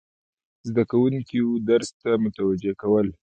زده کوونکي و درس ته متوجه کول،